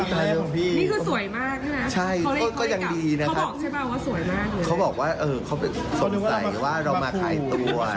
ก็ยังดีที่เขายังมองว่าจะมาขายตัว